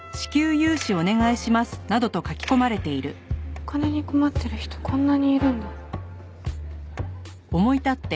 お金に困ってる人こんなにいるんだ。